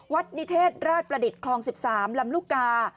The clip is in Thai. นิเทศราชประดิษฐ์คลอง๑๓ลำลูกกา